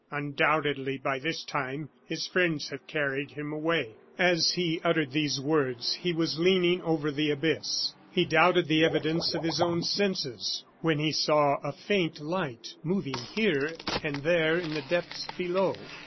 Undoubtedly, by this time his friends have carried him away." As he uttered these words he was leaning over the abyss. He doubted the evidence of his own senses when he saw a faint light moving here and there in the depths below.